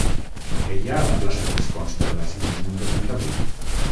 Què hi ha a la plaça de les Constel·lacions número trenta-vuit?